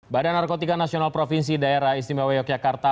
badan narkotika nasional provinsi daerah istimewa yogyakarta